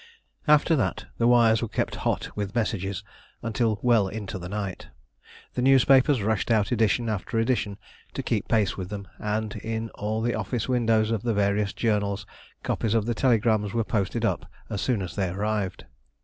After that the wires were kept hot with messages until well into the night. The newspapers rushed out edition after edition to keep pace with them, and in all the office windows of the various journals copies of the telegrams were posted up as soon as they arrived.